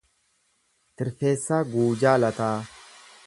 Tirfeessaa Guujaa Lataa